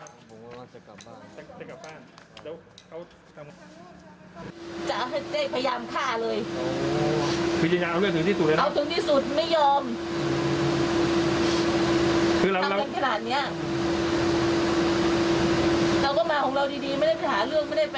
ทำกันขนาดเนี้ยเราก็มาของเราดีดีไม่ได้ไปหาเรื่องไม่ได้แปลอะไรเลย